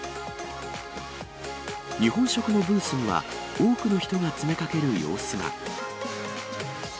日本食のブースには、多くの人が詰めかける様子が。